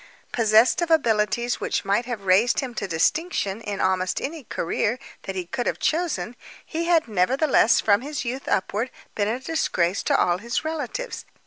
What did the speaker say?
Possessed of abilities which might have raised him to distinction in almost any career that he could have chosen, he had nevertheless, from his youth upward, been a disgrace to all his relatives.